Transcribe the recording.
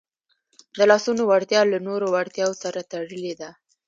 د لاسونو وړتیا له نورو وړتیاوو سره تړلې ده.